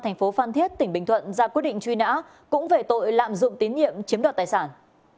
thành phố phan thiết tỉnh bình thuận ra quyết định truy nã cũng về tội lạm dụng tín nhiệm chiếm đoạt tài sản